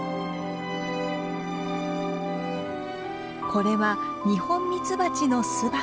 これはニホンミツバチの巣箱。